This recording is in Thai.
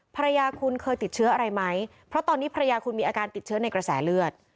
ภรรยาคุณเคยติดเชื้ออะไรไหมเพราะตอนนี้ภรรยาคุณมีอาการติดเชื้อในกระแสเลือด